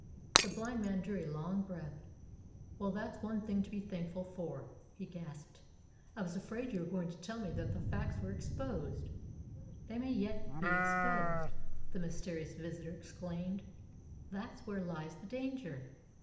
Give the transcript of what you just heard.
The blind man drew a long breath. "Well, that's one thing to be thankful for," he gasped. "I was afraid you were going to tell me that the facts were exposed." "They may yet be exposed," the mysterious visitor exclaimed. "That's where lies the danger."